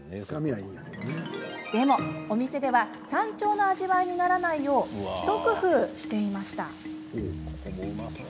でもお店では単調な味わいにならないよう一工夫していました。